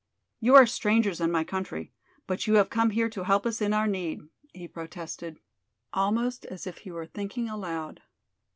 "You are strangers in my country, but you have come here to help us in our need," he protested, almost as if he were thinking aloud.